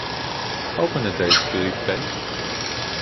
How many days will it take?